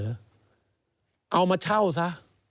เอามาเช่าซะ